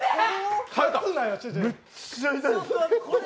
めっちゃ痛いです。